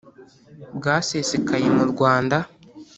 bwasesekaye mu rwanda,